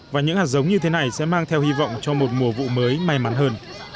và những hạt giống như thế này sẽ mang theo hy vọng cho một mùa vụ mới may mắn hơn